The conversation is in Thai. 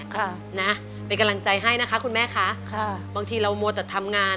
ค่ะนะเป็นกำลังใจให้นะคะคุณแม่คะค่ะบางทีเรามัวแต่ทำงาน